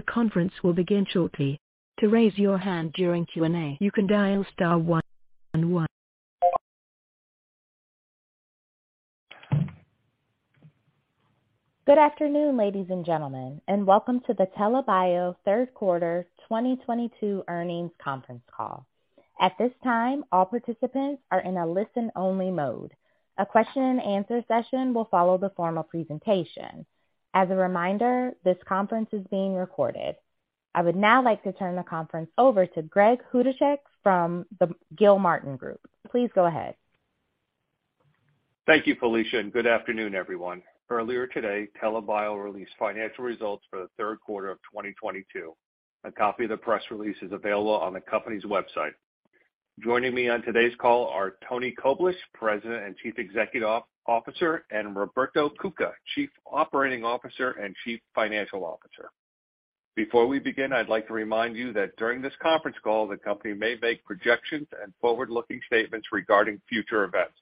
The conference will begin shortly. To raise your hand during Q&A, you can dial star one one. Good afternoon, ladies and gentlemen, and welcome to the TELA Bio Q3 2022 earnings conference call. At this time, all participants are in a listen-only mode. A question and answer session will follow the formal presentation. As a reminder, this conference is being recorded. I would now like to turn the conference over to Louisa Smith from the Gilmartin Group. Please go ahead. Thank you, Felicia, and good afternoon, everyone. Earlier today, TELA Bio released financial results for the Q3 of 2022. A copy of the press release is available on the company's website. Joining me on today's call are Antony Koblish, President and Chief Executive Officer, and Roberto Cuca, Chief Operating Officer and Chief Financial Officer. Before we begin, I'd like to remind you that during this conference call, the company may make projections and forward-looking statements regarding future events.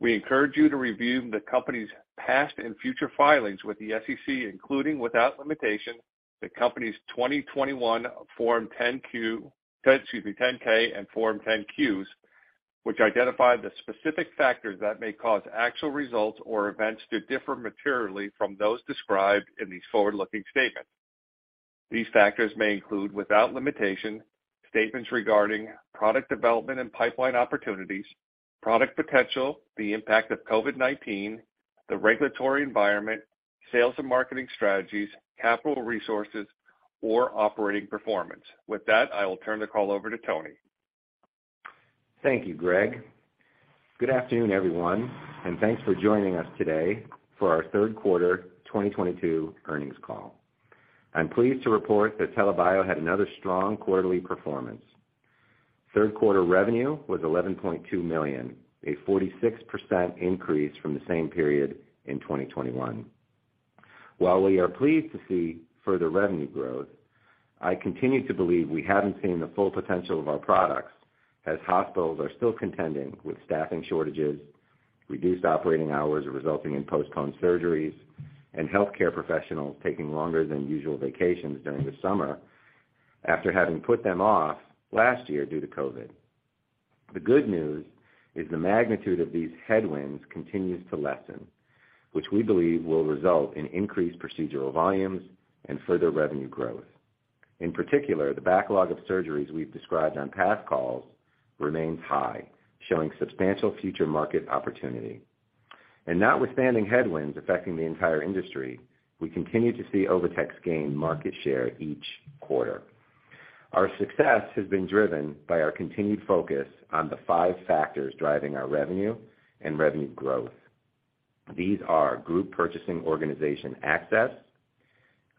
We encourage you to review the company's past and future filings with the SEC, including, without limitation, the company's 2021 Form 10-K and Form 10-Qs, which identify the specific factors that may cause actual results or events to differ materially from those described in these forward-looking statements. These factors may include, without limitation, statements regarding product development and pipeline opportunities, product potential, the impact of COVID-19, the regulatory environment, sales and marketing strategies, capital resources, or operating performance. With that, I will turn the call over to Tony. Thank you, Greg. Good afternoon, everyone, and thanks for joining us today for our Q3 2022 earnings call. I'm pleased to report that TELA Bio had another strong quarterly performance. Q3 revenue was $11.2 million, a 46% increase from the same period in 2021. While we are pleased to see further revenue growth, I continue to believe we haven't seen the full potential of our products as hospitals are still contending with staffing shortages, reduced operating hours resulting in postponed surgeries, and healthcare professionals taking longer than usual vacations during the summer after having put them off last year due to COVID. The good news is the magnitude of these headwinds continues to lessen, which we believe will result in increased procedural volumes and further revenue growth. In particular, the backlog of surgeries we've described on past calls remains high, showing substantial future market opportunity. Notwithstanding headwinds affecting the entire industry, we continue to see OviTex gain market share each quarter. Our success has been driven by our continued focus on the five factors driving our revenue and revenue growth. These are group purchasing organization access,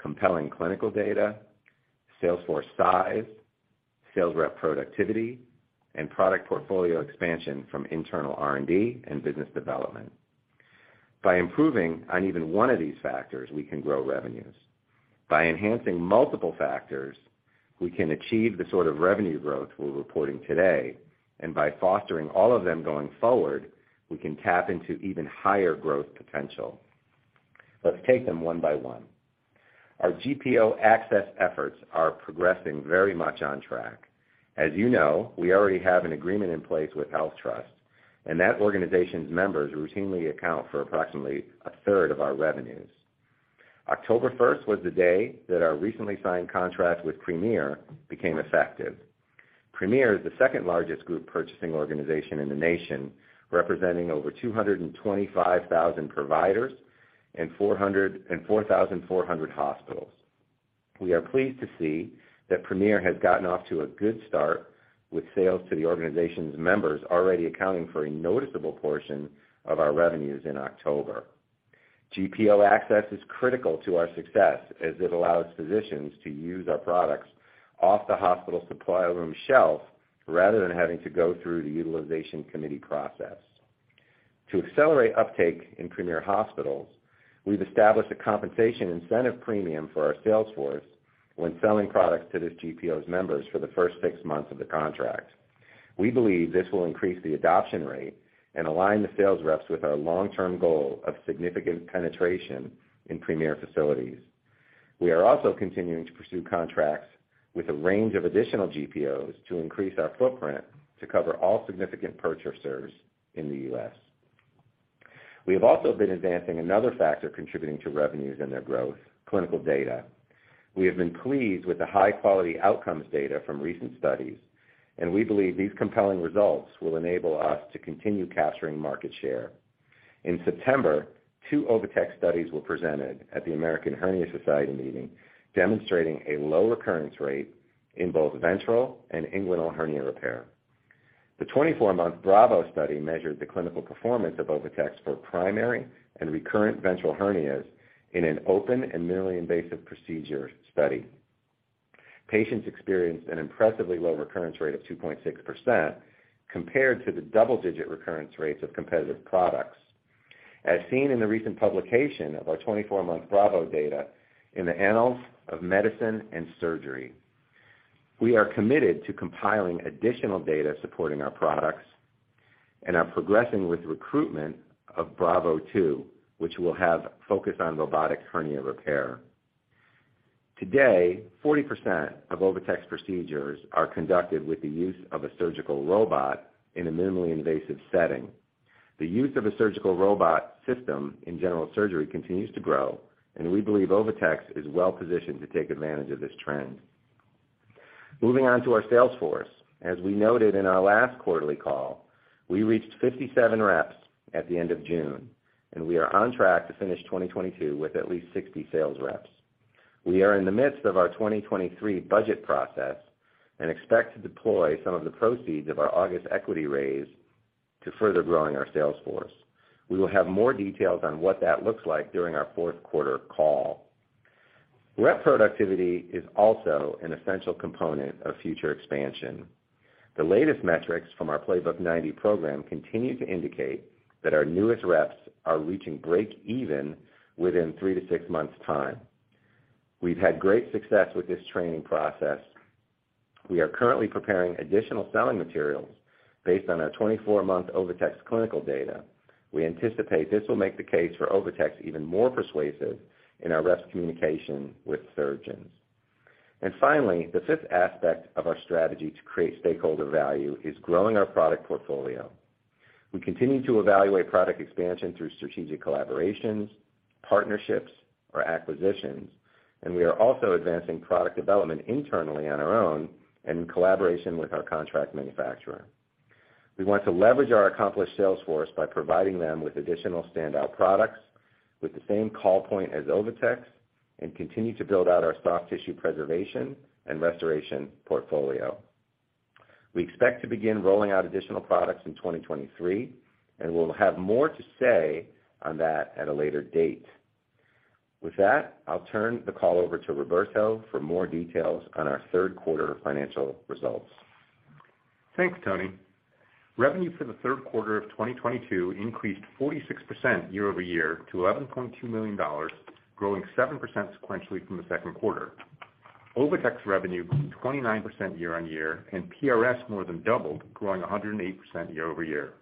compelling clinical data, sales force size, sales rep productivity, and product portfolio expansion from internal R&D and business development. By improving on even one of these factors, we can grow revenues. By enhancing multiple factors, we can achieve the sort of revenue growth we're reporting today, and by fostering all of them going forward, we can tap into even higher growth potential. Let's take them one by one. Our GPO access efforts are progressing very much on track. As you know, we already have an agreement in place with HealthTrust, and that organization's members routinely account for approximately a third of our revenues. October 1st was the day that our recently signed contract with Premier became effective. Premier is the second largest group purchasing organization in the nation, representing over 225,000 providers and 4,400 hospitals. We are pleased to see that Premier has gotten off to a good start with sales to the organization's members already accounting for a noticeable portion of our revenues in October. GPO access is critical to our success as it allows physicians to use our products off the hospital supply room shelf rather than having to go through the utilization committee process. To accelerate uptake in Premier hospitals, we've established a compensation incentive premium for our sales force when selling products to this GPO's members for the first six months of the contract. We believe this will increase the adoption rate and align the sales reps with our long-term goal of significant penetration in Premier facilities. We are also continuing to pursue contracts with a range of additional GPOs to increase our footprint to cover all significant purchasers in the U.S. We have also been advancing another factor contributing to revenues and their growth, clinical data. We have been pleased with the high-quality outcomes data from recent studies, and we believe these compelling results will enable us to continue capturing market share. In September, two OviTex studies were presented at the American Hernia Society meeting demonstrating a low recurrence rate in both ventral and inguinal hernia repair. The 24-month BRAVO study measured the clinical performance of OviTex for primary and recurrent ventral hernias in an open and minimally invasive procedure study. Patients experienced an impressively low recurrence rate of 2.6% compared to the double-digit recurrence rates of competitive products. As seen in the recent publication of our 24-month BRAVO data in the Annals of Medicine and Surgery. We are committed to compiling additional data supporting our products and are progressing with recruitment of BRAVO II, which will have focus on robotic hernia repair. Today, 40% of OviTex procedures are conducted with the use of a surgical robot in a minimally invasive setting. The use of a surgical robot system in general surgery continues to grow, and we believe OviTex is well-positioned to take advantage of this trend. Moving on to our sales force. As we noted in our last quarterly call, we reached 57 reps at the end of June, and we are on track to finish 2022 with at least 60 sales reps. We are in the midst of our 2023 budget process and expect to deploy some of the proceeds of our August equity raise to further growing our sales force. We will have more details on what that looks like during our Q4 call. Rep productivity is also an essential component of future expansion. The latest metrics from our Playbook 90 program continue to indicate that our newest reps are reaching breakeven within 3-6 months time. We've had great success with this training process. We are currently preparing additional selling materials based on our 24-month OviTex clinical data. We anticipate this will make the case for OviTex even more persuasive in our reps communication with surgeons. Finally, the fifth aspect of our strategy to create stakeholder value is growing our product portfolio. We continue to evaluate product expansion through strategic collaborations, partnerships or acquisitions, and we are also advancing product development internally on our own and in collaboration with our contract manufacturer. We want to leverage our accomplished sales force by providing them with additional standout products with the same call point as OviTex and continue to build out our soft tissue preservation and restoration portfolio. We expect to begin rolling out additional products in 2023, and we'll have more to say on that at a later date. With that, I'll turn the call over to Roberto for more details on our Q3 financial results. Thanks, Tony. Revenue for the Q3 of 2022 increased 46% year-over-year to $11.2 million, growing 7% sequentially from the Q2. OviTex revenue grew 29% year-over-year, and PRS more than doubled, growing 108% year-over-year.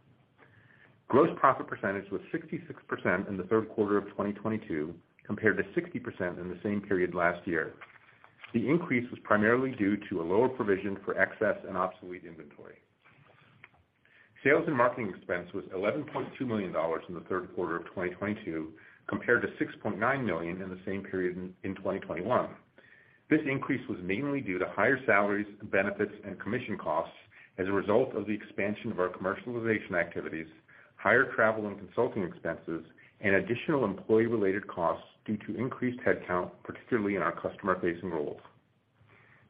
Gross profit percentage was 66% in the Q3 of 2022 compared to 60% in the same period last year. The increase was primarily due to a lower provision for excess and obsolete inventory. Sales and marketing expense was $11.2 million in the Q3 of 2022 compared to $6.9 million in the same period in 2021. This increase was mainly due to higher salaries, benefits and commission costs as a result of the expansion of our commercialization activities, higher travel and consulting expenses, and additional employee related costs due to increased headcount, particularly in our customer facing roles.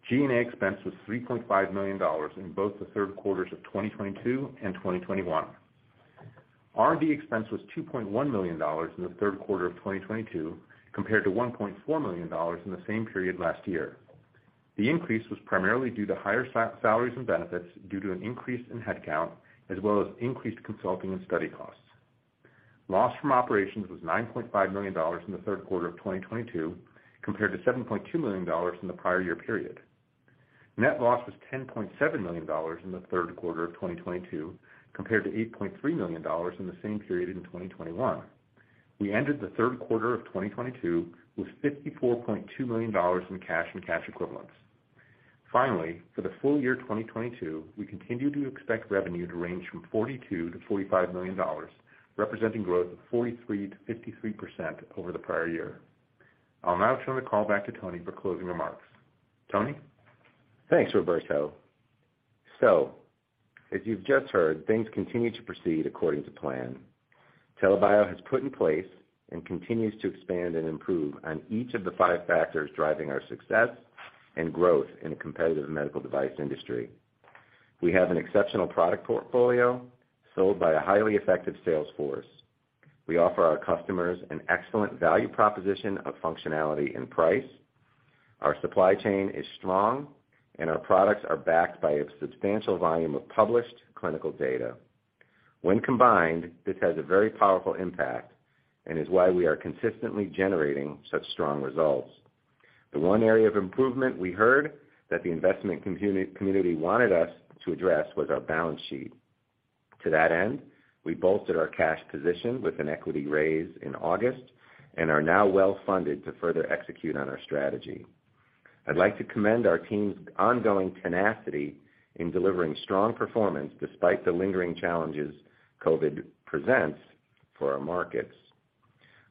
G&A expense was $3.5 million in both the Q3s of 2022 and 2021. R&D expense was $2.1 million in the Q3 of 2022 compared to $1.4 million in the same period last year. The increase was primarily due to higher salaries and benefits due to an increase in headcount as well as increased consulting and study costs. Loss from operations was $9.5 million in the Q3 of 2022 compared to $7.2 million in the prior year period. Net loss was $10.7 million in the Q3 of 2022 compared to $8.3 million in the same period in 2021. We ended the Q3 of 2022 with $54.2 million in cash and cash equivalents. Finally, for the full year 2022, we continue to expect revenue to range from $42-45 million, representing growth of 43%-53% over the prior year. I'll now turn the call back to Tony for closing remarks. Tony? Thanks, Roberto. As you've just heard, things continue to proceed according to plan. TELA Bio has put in place and continues to expand and improve on each of the five factors driving our success and growth in a competitive medical device industry. We have an exceptional product portfolio sold by a highly effective sales force. We offer our customers an excellent value proposition of functionality and price. Our supply chain is strong, and our products are backed by a substantial volume of published clinical data. When combined, this has a very powerful impact and is why we are consistently generating such strong results. The one area of improvement we heard that the investment community wanted us to address was our balance sheet. To that end, we bolstered our cash position with an equity raise in August and are now well funded to further execute on our strategy. I'd like to commend our team's ongoing tenacity in delivering strong performance despite the lingering challenges COVID presents for our markets.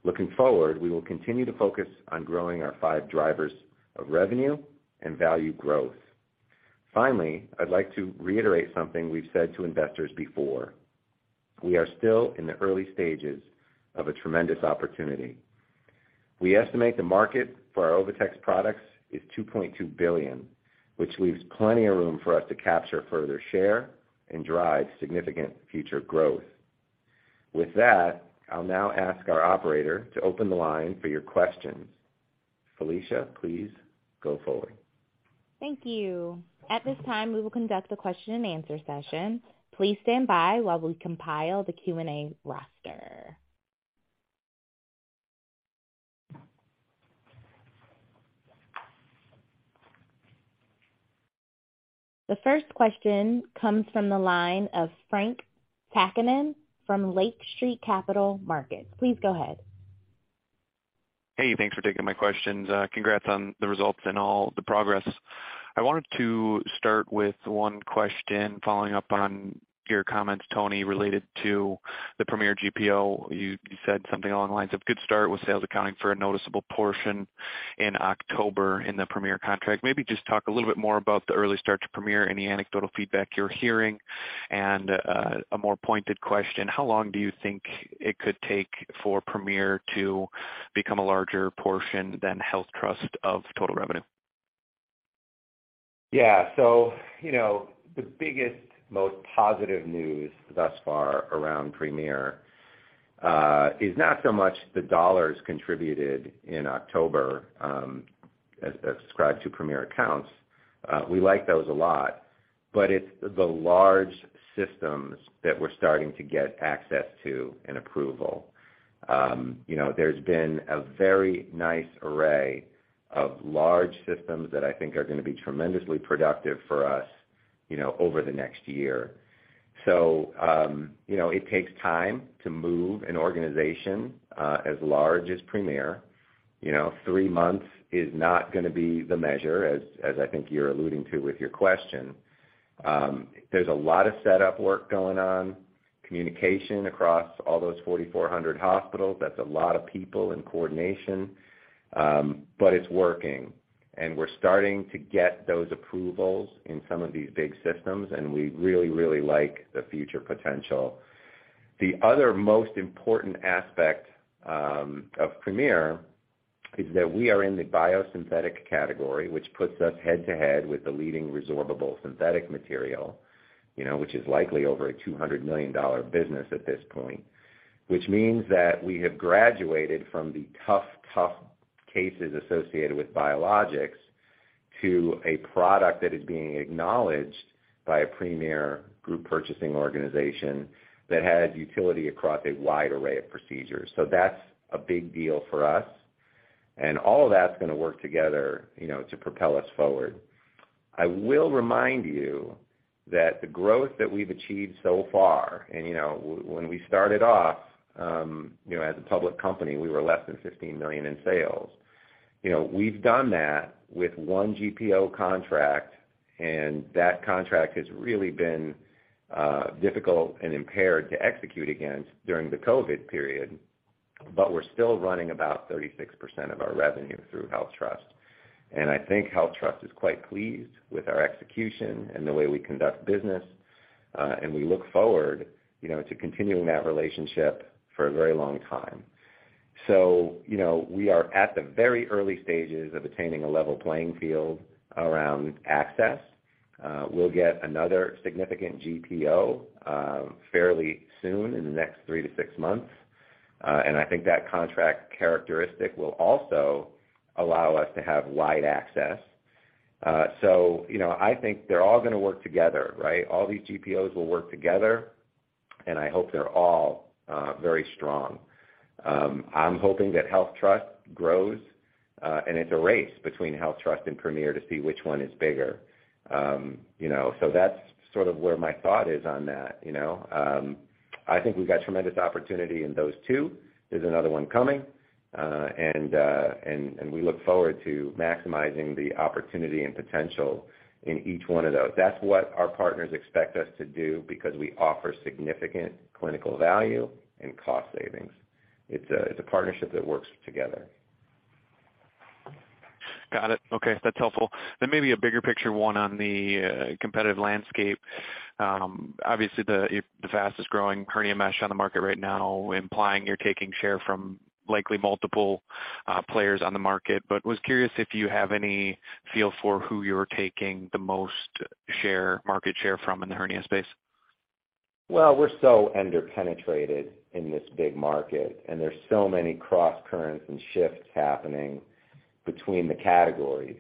Looking forward, we will continue to focus on growing our five drivers of revenue and value growth. Finally, I'd like to reiterate something we've said to investors before. We are still in the early stages of a tremendous opportunity. We estimate the market for our OviTex products is $2.2 billion, which leaves plenty of room for us to capture further share and drive significant future growth. With that, I'll now ask our operator to open the line for your questions. Felicia, please go forward. Thank you. At this time, we will conduct a question and answer session. Please stand by while we compile the Q&A roster. The first question comes from the line of Frank Takkinen from Lake Street Capital Markets. Please go ahead. Hey, thanks for taking my questions. Congrats on the results and all the progress. I wanted to start with one question following up on your comments, Tony, related to the Premier GPO. You said something along the lines of good start with sales accounting for a noticeable portion in October in the Premier contract. Maybe just talk a little bit more about the early start to Premier, any anecdotal feedback you're hearing, and a more pointed question, how long do you think it could take for Premier to become a larger portion than HealthTrust of total revenue? Yeah. The biggest, most positive news thus far around Premier is not so much the dollars contributed in October as subscribed to Premier accounts. We like those a lot, but it's the large systems that we're starting to get access to and approval. You know, there's been a very nice array of large systems that I think are gonna be tremendously productive for us, you know, over the next year. It takes time to move an organization as large as Premier. You know, three months is not gonna be the measure as I think you're alluding to with your question. There's a lot of setup work going on, communication across all those 4,400 hospitals. That's a lot of people and coordination, but it's working. We're starting to get those approvals in some of these big systems, and we really, really like the future potential. The other most important aspect of Premier is that we are in the biosynthetic category, which puts us head-to-head with the leading resorbable synthetic material, you know, which is likely over a $200 million business at this point, which means that we have graduated from the tough cases associated with biologics to a product that is being acknowledged by a Premier group purchasing organization that has utility across a wide array of procedures. That's a big deal for us, and all of that's gonna work together, you know, to propel us forward. I will remind you that the growth that we've achieved so far, and, you know, when we started off, you know, as a public company, we were less than $15 million in sales. You know, we've done that with one GPO contract, and that contract has really been difficult and impaired to execute against during the COVID period, but we're still running about 36% of our revenue through HealthTrust. I think HealthTrust is quite pleased with our execution and the way we conduct business, and we look forward, you know, to continuing that relationship for a very long time. You know, we are at the very early stages of attaining a level playing field around access. We'll get another significant GPO fairly soon in the next 3-6 months. I think that contract characteristic will also allow us to have wide access. You know, I think they're all gonna work together, right? All these GPOs will work together, and I hope they're all very strong. I'm hoping that HealthTrust grows, and it's a race between HealthTrust and Premier to see which one is bigger. You know, that's sort of where my thought is on that, you know. I think we've got tremendous opportunity in those two. There's another one coming, and we look forward to maximizing the opportunity and potential in each one of those. That's what our partners expect us to do because we offer significant clinical value and cost savings. It's a partnership that works together. Got it. Okay, that's helpful. Maybe a bigger picture one on the competitive landscape. Obviously, the fastest-growing hernia mesh on the market right now implying you're taking share from likely multiple players on the market. Was curious if you have any feel for who you're taking the most share, market share from in the hernia space. Well, we're so under-penetrated in this big market, and there's so many crosscurrents and shifts happening between the categories.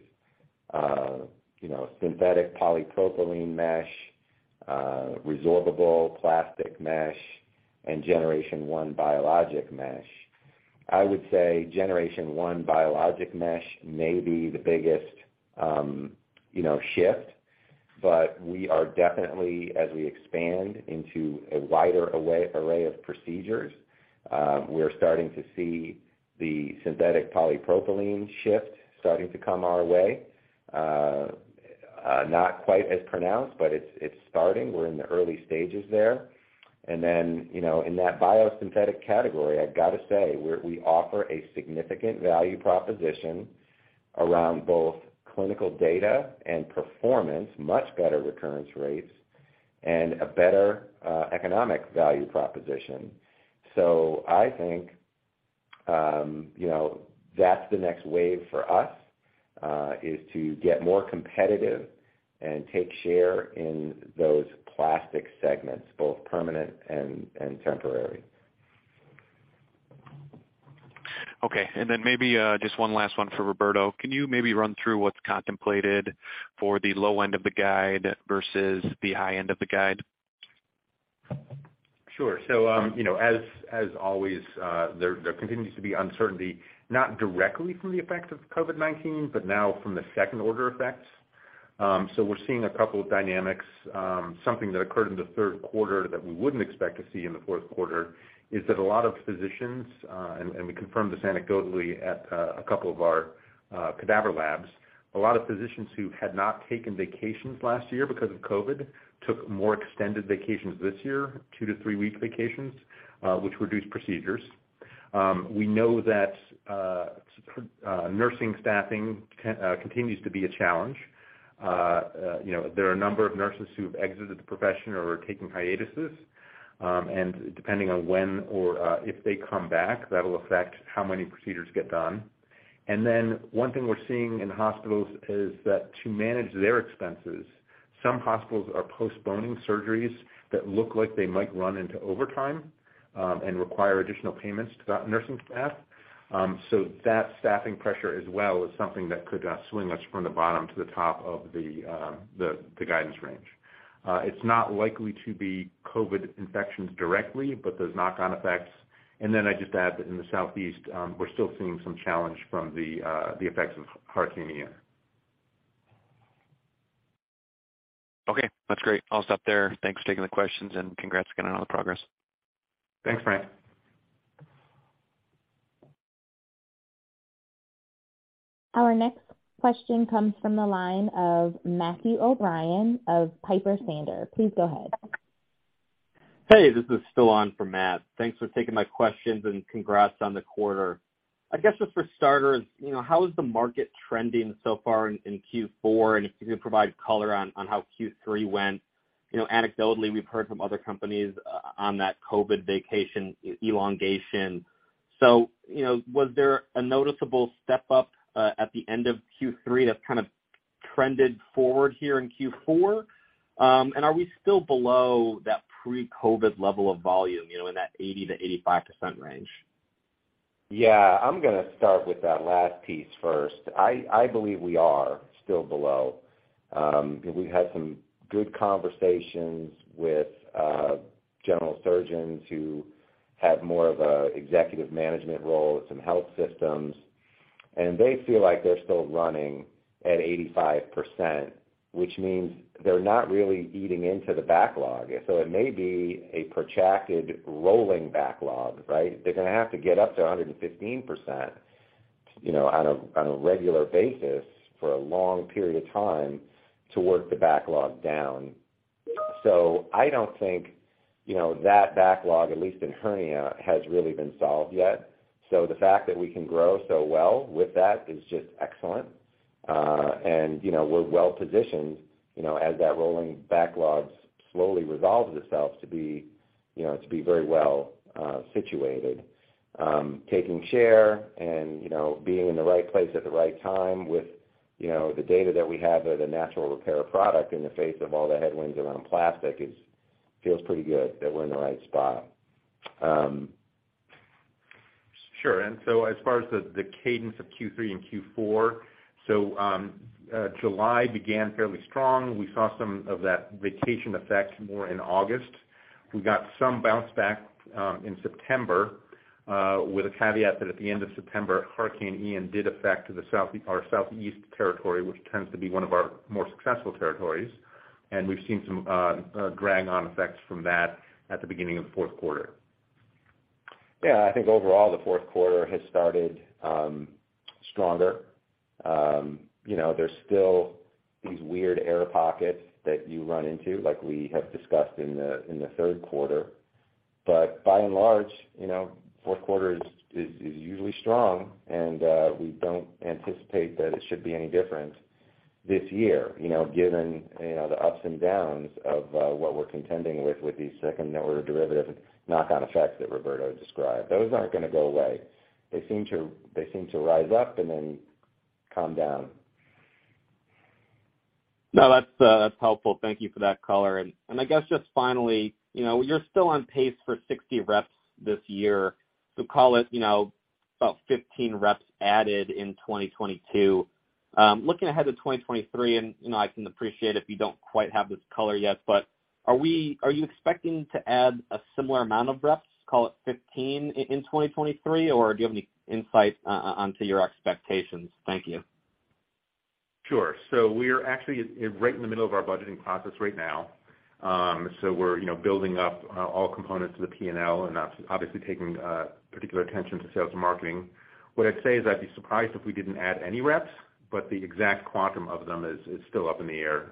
You know, synthetic polypropylene mesh, resorbable plastic mesh, and generation one biologic mesh. I would say generation one biologic mesh may be the biggest shift, but we are definitely, as we expand into a wider array of procedures, we're starting to see the synthetic polypropylene shift starting to come our way. Not quite as pronounced, but it's starting. We're in the early stages there. You know, in that biosynthetic category, I've got to say we offer a significant value proposition around both clinical data and performance, much better recurrence rates and a better economic value proposition. I think, you know, that's the next wave for us, is to get more competitive and take share in those plastic segments, both permanent and temporary. Okay, maybe, just one last one for Roberto. Can you maybe run through what's contemplated for the low end of the guide versus the high end of the guide? Sure. You know, as always, there continues to be uncertainty, not directly from the effects of COVID-19, but now from the second order effects. We're seeing a couple of dynamics. Something that occurred in the Q3 that we wouldn't expect to see in the Q4 is that a lot of physicians and we confirmed this anecdotally at a couple of our cadaver labs. A lot of physicians who had not taken vacations last year because of COVID took more extended vacations this year, two to three week vacations, which reduced procedures. We know that nursing staffing continues to be a challenge. You know, there are a number of nurses who have exited the profession or are taking hiatuses, and depending on when or if they come back, that'll affect how many procedures get done. One thing we're seeing in hospitals is that to manage their expenses, some hospitals are postponing surgeries that look like they might run into overtime, and require additional payments to that nursing staff. That staffing pressure as well is something that could swing us from the bottom to the top of the guidance range. It's not likely to be COVID infections directly, but those knock-on effects. I'd just add that in the southeast, we're still seeing some challenge from the effects of Hurricane Ian. Okay, that's great. I'll stop there. Thanks for taking the questions, and congrats again on all the progress. Thanks, Frank. Our next question comes from the line of Matthew O'Brien of Piper Sandler. Please go ahead. Hey, this is still on for Matthew. Thanks for taking my questions, and congrats on the quarter. I guess just for starters, you know, how is the market trending so far in Q4, and if you can provide color on how Q3 went. You know, anecdotally, we've heard from other companies on that COVID vacation elongation. You know, was there a noticeable step-up at the end of Q3 that's kind of trended forward here in Q4? And are we still below that pre-COVID level of volume, you know, in that 80%-85% range? Yeah. I'm gonna start with that last piece first. I believe we are still below. We had some good conversations with general surgeons who have more of a executive management role at some health systems, and they feel like they're still running at 85%, which means they're not really eating into the backlog. It may be a protracted rolling backlog, right? They're gonna have to get up to 115%, you know, on a regular basis for a long period of time to work the backlog down. I don't think, you know, that backlog, at least in hernia, has really been solved yet. The fact that we can grow so well with that is just excellent. you know, we're well positioned, you know, as that rolling backlog slowly resolves itself to be, you know, to be very well, situated. Taking share and, you know, being in the right place at the right time with, you know, the data that we have with a natural repair product in the face of all the headwinds around plastic is. Feels pretty good that we're in the right spot. Sure. As far as the cadence of Q3 and Q4, July began fairly strong. We saw some of that vacation effect more in August. We got some bounce back in September with a caveat that at the end of September, Hurricane Ian did affect the south, our southeast territory, which tends to be one of our more successful territories. We've seen some drag on effects from that at the beginning of the Q4. Yeah. I think overall, the Q4 has started stronger. You know, there's still these weird air pockets that you run into, like we have discussed in the Q3. By and large, you know, Q4 is usually strong, and we don't anticipate that it should be any different this year, you know, given, you know, the ups and downs of what we're contending with these second-order derivative knock-on effects that Roberto described. Those aren't gonna go away. They seem to rise up and then calm down. No, that's helpful. Thank you for that color. I guess just finally, you know, you're still on pace for 60 reps this year, so call it, you know, about 15 reps added in 2022. Looking ahead to 2023, you know I can appreciate if you don't quite have this color yet, but are you expecting to add a similar amount of reps, call it 15 in 2023, or do you have any insight into your expectations? Thank you. Sure. We're actually right in the middle of our budgeting process right now. We're, you know, building up all components of the P&L and obviously paying particular attention to sales and marketing. What I'd say is I'd be surprised if we didn't add any reps, but the exact quantum of them is still up in the air.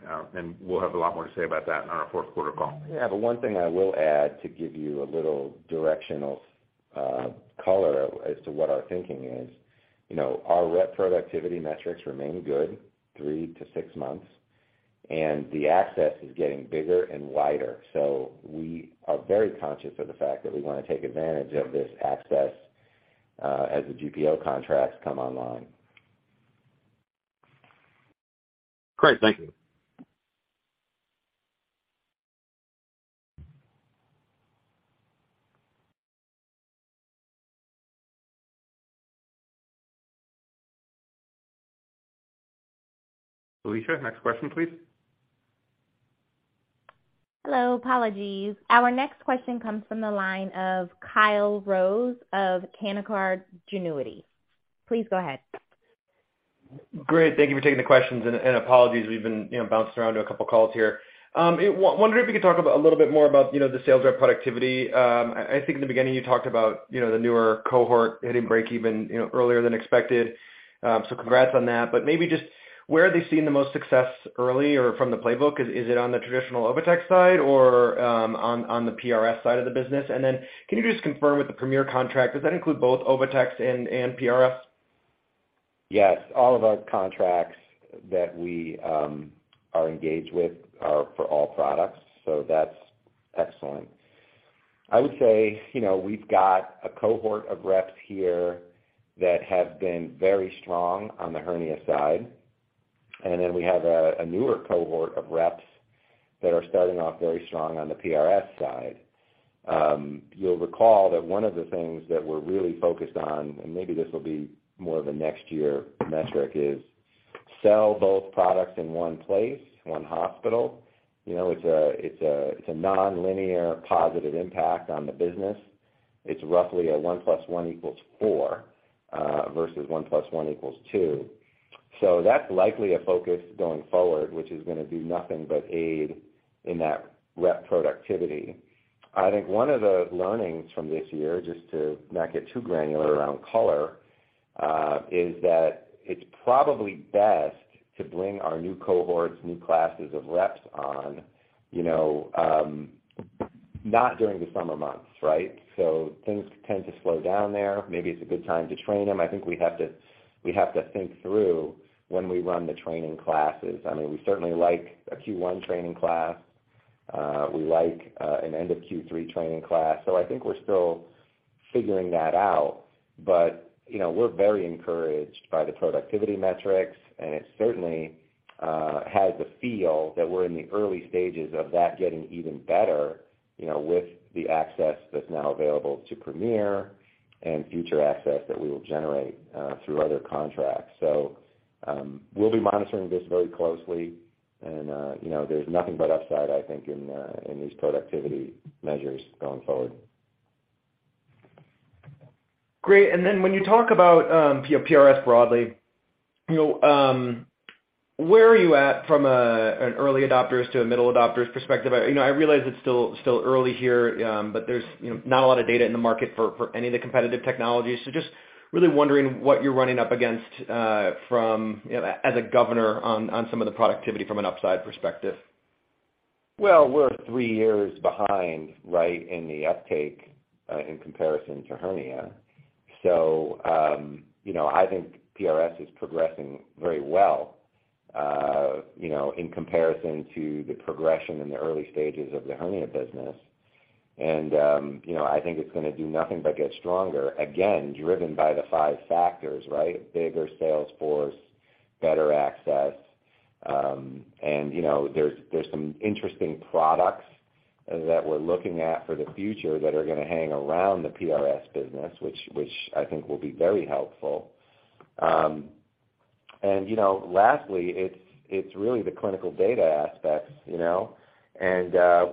We'll have a lot more to say about that on our Q4 call. Yeah. The one thing I will add to give you a little directional color as to what our thinking is, you know, our rep productivity metrics remain good 3-6 months, and the access is getting bigger and wider. We are very conscious of the fact that we wanna take advantage of this access as the GPO contracts come online. Great. Thank you. Alicia, next question, please. Hello, apologies. Our next question comes from the line of Kyle Rose of Canaccord Genuity. Please go ahead. Great. Thank you for taking the questions and apologies we've been, you know, bouncing around to a couple of calls here. Wondering if you could talk about a little bit more about, you know, the sales rep productivity. I think in the beginning you talked about, you know, the newer cohort hitting breakeven, you know, earlier than expected. Congrats on that. Maybe just where are they seeing the most success early or from the playbook? Is it on the traditional OviTex side or on the PRS side of the business? Then can you just confirm with the Premier contract, does that include both OviTex and PRS? Yes. All of our contracts that we are engaged with are for all products, so that's excellent. I would say, you know, we've got a cohort of reps here that have been very strong on the hernia side, and then we have a newer cohort of reps that are starting off very strong on the PRS side. You'll recall that one of the things that we're really focused on, and maybe this will be more of a next year metric, is sell both products in one place, one hospital. You know, it's a nonlinear positive impact on the business. It's roughly a one plus one equals four versus one plus one equals two. So that's likely a focus going forward, which is gonna do nothing but aid in that rep productivity. I think one of the learnings from this year, just to not get too granular around color, is that it's probably best to bring our new cohorts, new classes of reps on, you know, not during the summer months, right? Things tend to slow down there. Maybe it's a good time to train them. I think we have to think through when we run the training classes. I mean, we certainly like a Q1 training class. We like an end of Q3 training class. I think we're still figuring that out. You know, we're very encouraged by the productivity metrics, and it certainly has the feel that we're in the early stages of that getting even better, you know, with the access that's now available to Premier and future access that we will generate through other contracts. We'll be monitoring this very closely and, you know, there's nothing but upside, I think, in these productivity measures going forward. Great. Then when you talk about PRS broadly, you know, where are you at from an early adopters to a middle adopters perspective? You know, I realize it's still early here, but there's you know, not a lot of data in the market for any of the competitive technologies. Just really wondering what you're running up against from you know, as a governor on some of the productivity from an upside perspective. Well, we're three years behind, right, in the uptake in comparison to hernia. You know, I think PRS is progressing very well, you know, in comparison to the progression in the early stages of the hernia business. You know, I think it's gonna do nothing but get stronger, again, driven by the five factors, right? Bigger sales force, better access, and, you know, there's some interesting products that we're looking at for the future that are gonna hang around the PRS business, which I think will be very helpful. You know, lastly, it's really the clinical data aspects, you know.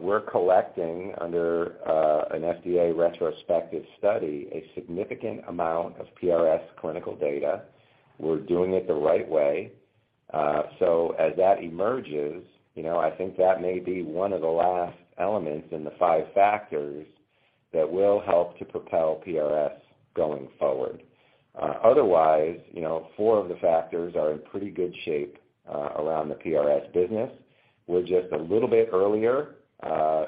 We're collecting under an FDA retrospective study, a significant amount of PRS clinical data. We're doing it the right way. As that emerges, you know, I think that may be one of the last elements in the five factors that will help to propel PRS going forward. Otherwise, you know, four of the factors are in pretty good shape around the PRS business. We're just a little bit earlier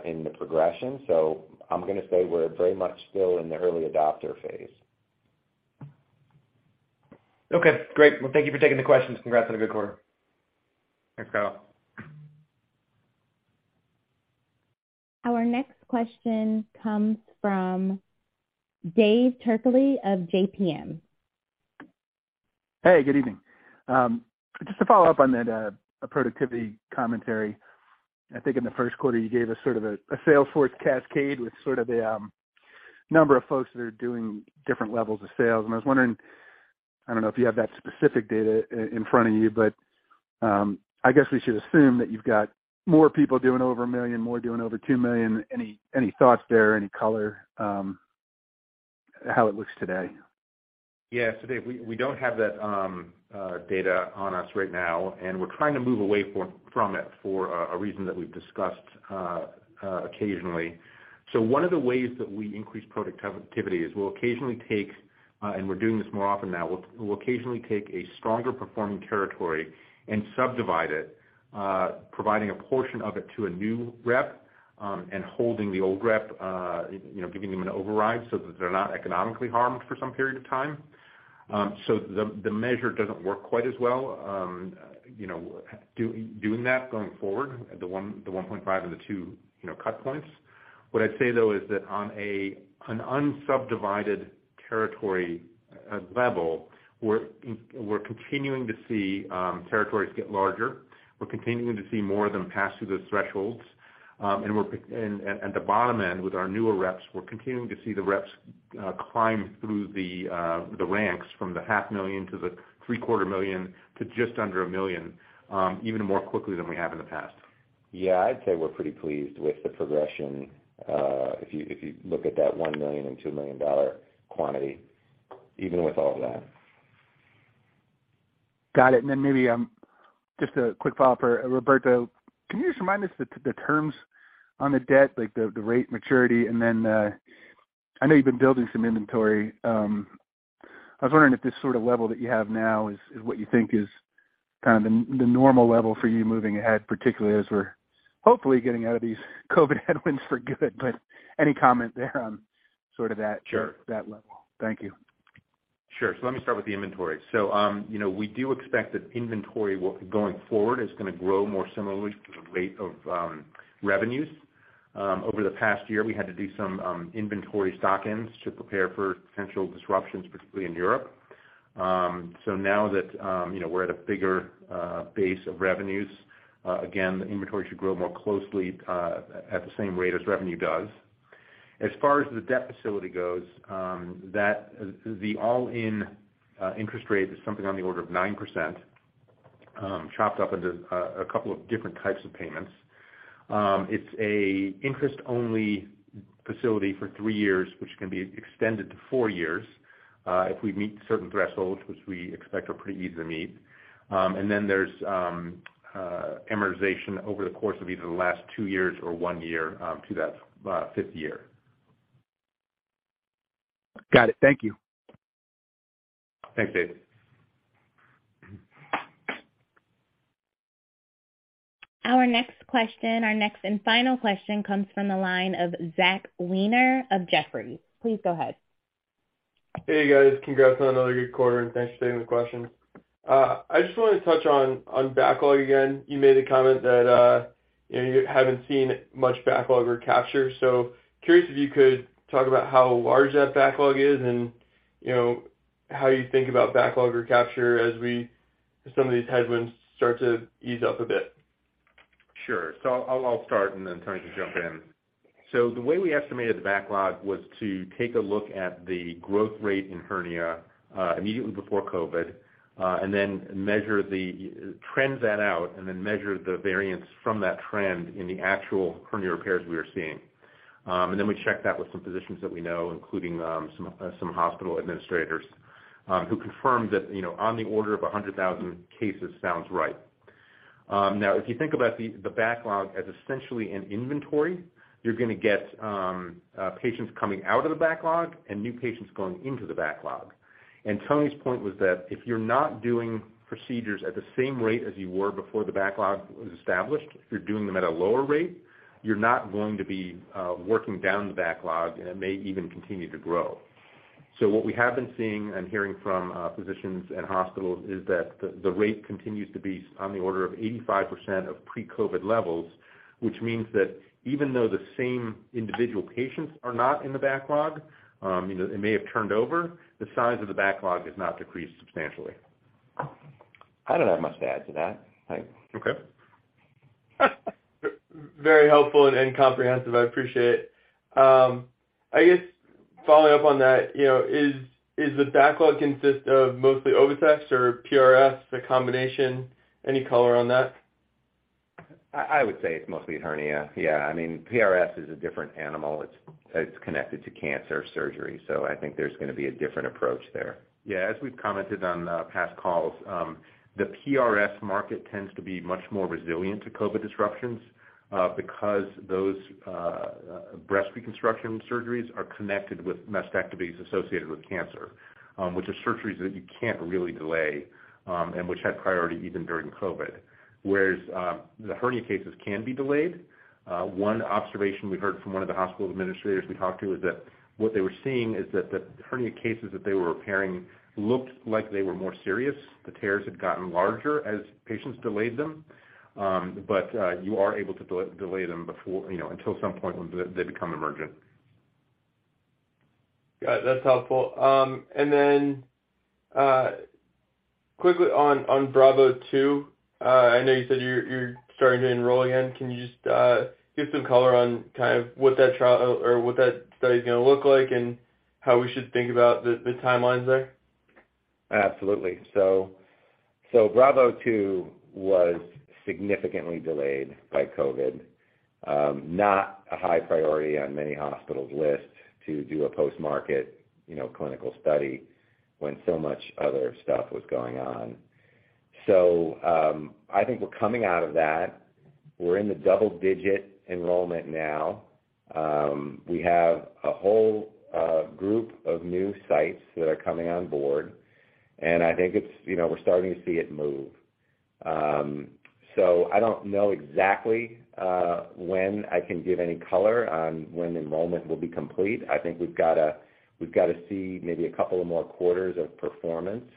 in the progression, so I'm gonna say we're very much still in the early adopter phase. Okay, great. Well, thank you for taking the questions. Congrats on a good quarter. Thanks, Kyle. Our next question comes from David Turkaly of JMP. Hey, good evening. Just to follow up on that, productivity commentary. I think in the Q1, you gave us sort of a sales force cascade with sort of a number of folks that are doing different levels of sales. I was wondering, I don't know if you have that specific data in front of you, but, I guess we should assume that you've got more people doing over a million, more doing over two million. Any thoughts there? Any color, how it looks today? Yeah. Dave, we don't have that data on us right now, and we're trying to move away from it for a reason that we've discussed occasionally. One of the ways that we increase productivity is we'll occasionally take, and we're doing this more often now. We'll occasionally take a stronger performing territory and subdivide it, providing a portion of it to a new rep, and holding the old rep, you know, giving them an override so that they're not economically harmed for some period of time. The measure doesn't work quite as well, you know, doing that going forward, the 1.5 or the 2, you know, cut points. What I'd say though is that on an unsubdivided territory level, we're continuing to see territories get larger. We're continuing to see more of them pass through those thresholds. At the bottom end with our newer reps, we're continuing to see the reps climb through the ranks from the $500,000 to the $750,000 to just under $1 million, even more quickly than we have in the past. Yeah. I'd say we're pretty pleased with the progression, if you look at that $1 million and $2 million dollar quantity, even with all of that. Got it. Maybe just a quick follow-up for Roberto. Can you just remind us the terms on the debt, like the rate maturity? I know you've been building some inventory. I was wondering if this sort of level that you have now is what you think is kind of the normal level for you moving ahead, particularly as we're hopefully getting out of these COVID headwinds for good. Any comment there on sort of that. Sure. that level? Thank you. Sure. Let me start with the inventory. You know, we do expect that inventory going forward is gonna grow more similarly to the rate of revenues. Over the past year, we had to do some inventory stock-ins to prepare for potential disruptions, particularly in Europe. Now that you know we're at a bigger base of revenues, again, the inventory should grow more closely at the same rate as revenue does. As far as the debt facility goes, the all-in interest rate is something on the order of 9%, chopped up into a couple of different types of payments. It's an interest-only facility for three years, which can be extended to four years if we meet certain thresholds, which we expect are pretty easy to meet. There's amortization over the course of either the last 2 years or 1 year to that fifth year. Got it. Thank you. Thanks, David. Our next question, our next and final question comes from the line of Zach Weiner of Jefferies. Please go ahead. Hey, guys. Congrats on another good quarter, and thanks for taking the question. I just wanted to touch on backlog again. You made a comment that you know, you haven't seen much backlog recapture. Curious if you could talk about how large that backlog is and, you know, how you think about backlog recapture as some of these headwinds start to ease up a bit. Sure. I'll start and then Tony can jump in. The way we estimated the backlog was to take a look at the growth rate in hernia immediately before COVID and then project the trend out and then measure the variance from that trend in the actual hernia repairs we were seeing. Then we checked that with some physicians that we know, including some hospital administrators who confirmed that, you know, on the order of 100,000 cases sounds right. Now if you think about the backlog as essentially an inventory, you're gonna get patients coming out of the backlog and new patients going into the backlog. Tony's point was that if you're not doing procedures at the same rate as you were before the backlog was established, if you're doing them at a lower rate, you're not going to be working down the backlog, and it may even continue to grow. What we have been seeing and hearing from physicians and hospitals is that the rate continues to be on the order of 85% of pre-COVID levels, which means that even though the same individual patients are not in the backlog, you know, it may have turned over, the size of the backlog has not decreased substantially. I don't have much to add to that. Okay. Very helpful and comprehensive. I appreciate it. I guess following up on that, you know, is the backlog consist of mostly OviTexes or PRS, a combination? Any color on that? I would say it's mostly hernia. Yeah. I mean, PRS is a different animal. It's connected to cancer surgery, so I think there's gonna be a different approach there. Yeah, as we've commented on past calls, the PRS market tends to be much more resilient to COVID disruptions, because those breast reconstruction surgeries are connected with mastectomies associated with cancer, which are surgeries that you can't really delay, and which had priority even during COVID. Whereas, the hernia cases can be delayed. One observation we heard from one of the hospital administrators we talked to is that what they were seeing is that the hernia cases that they were repairing looked like they were more serious. The tears had gotten larger as patients delayed them. You are able to delay them before, you know, until some point when they become emergent. Got it. That's helpful. Quickly on BRAVO II, I know you said you're starting to enroll again. Can you just give some color on kind of what that trial or what that study is gonna look like and how we should think about the timelines there? Absolutely. BRAVO II was significantly delayed by COVID. Not a high priority on many hospitals' lists to do a post-market, you know, clinical study when so much other stuff was going on. I think we're coming out of that. We're in the double-digit enrollment now. We have a whole group of new sites that are coming on board, and I think it's, you know, we're starting to see it move. I don't know exactly when I can give any color on when enrollment will be complete. I think we've gotta see maybe a couple of more quarters of performance,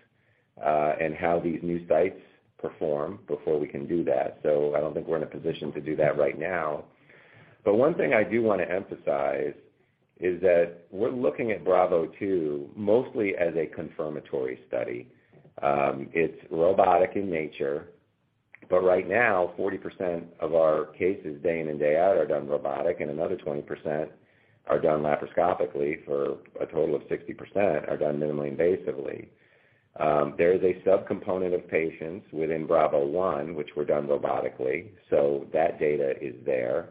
and how these new sites perform before we can do that. I don't think we're in a position to do that right now. One thing I do wanna emphasize is that we're looking at BRAVO II mostly as a confirmatory study. It's robotic in nature, but right now, 40% of our cases day in and day out are done robotic, and another 20% are done laparoscopically for a total of 60% are done minimally invasively. There is a sub-component of patients within BRAVO I which were done robotically, so that data is there.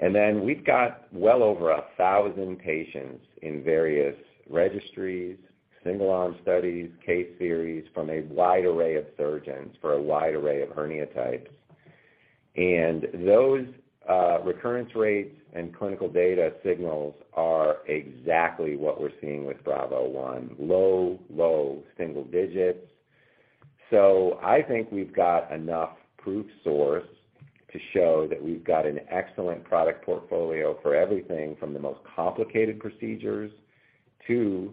Then we've got well over 1,000 patients in various registries, single arm studies, case series from a wide array of surgeons for a wide array of hernia types. Those recurrence rates and clinical data signals are exactly what we're seeing with BRAVO I, low, low single digits. I think we've got enough proof source to show that we've got an excellent product portfolio for everything from the most complicated procedures to the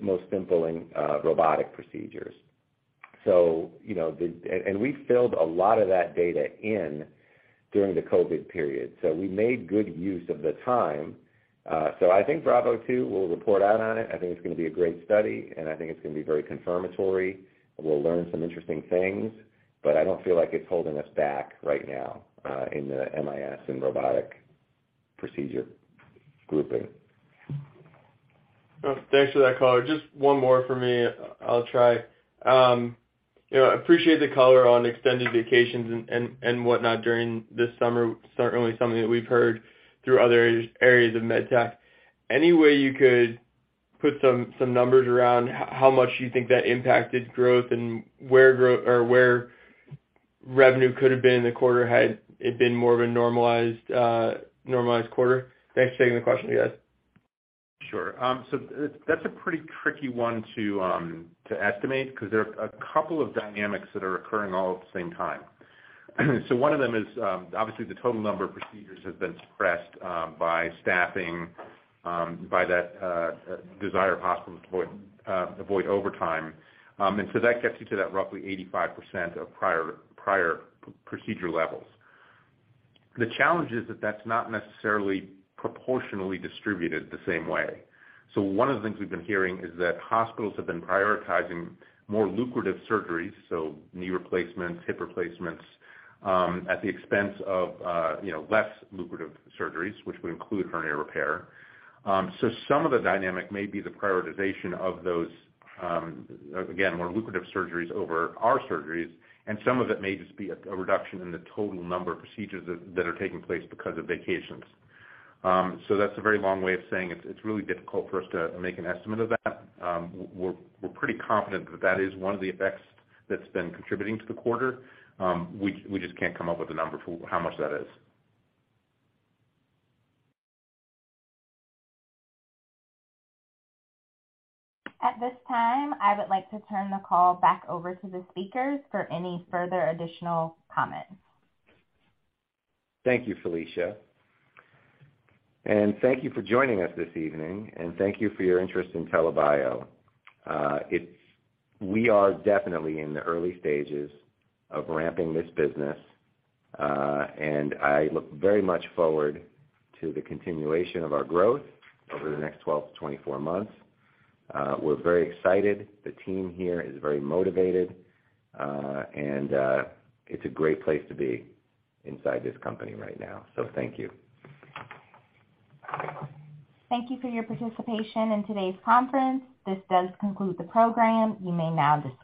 most simple and robotic procedures. You know, we filled a lot of that data in during the COVID period, so we made good use of the time. I think BRAVO II, we'll report out on it. I think it's gonna be a great study, and I think it's gonna be very confirmatory. We'll learn some interesting things, but I don't feel like it's holding us back right now in the MIS and robotic procedure grouping. Thanks for that color. Just one more from me. I'll try. You know, appreciate the color on extended vacations and whatnot during this summer. Certainly something that we've heard through other areas of med tech. Any way you could put some numbers around how much you think that impacted growth and where or where revenue could have been in the quarter had it been more of a normalized normalized quarter? Thanks for taking the question, guys. Sure. That's a pretty tricky one to estimate 'cause there are a couple of dynamics that are occurring all at the same time. One of them is obviously the total number of procedures has been suppressed by staffing, by that desire of hospitals to avoid overtime. That gets you to that roughly 85% of prior procedure levels. The challenge is that that's not necessarily proportionally distributed the same way. One of the things we've been hearing is that hospitals have been prioritizing more lucrative surgeries, so knee replacements, hip replacements at the expense of you know, less lucrative surgeries, which would include hernia repair. Some of the dynamic may be the prioritization of those, again, more lucrative surgeries over our surgeries, and some of it may just be a reduction in the total number of procedures that are taking place because of vacations. That's a very long way of saying it's really difficult for us to make an estimate of that. We're pretty confident that is one of the effects that's been contributing to the quarter. We just can't come up with a number for how much that is. At this time, I would like to turn the call back over to the speakers for any further additional comments. Thank you, Felicia. Thank you for joining us this evening, and thank you for your interest in TELA Bio. We are definitely in the early stages of ramping this business, and I look very much forward to the continuation of our growth over the next 12-24 months. We're very excited. The team here is very motivated, and it's a great place to be inside this company right now. Thank you. Thank you for your participation in today's conference. This does conclude the program. You may now disconnect.